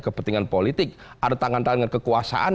kepentingan politik ada tangan tangan kekuasaan